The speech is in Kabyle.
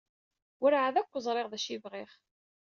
Werɛad akk ẓriɣ d acu i bɣiɣ.